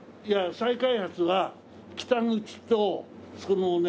再開発は北口とそのね。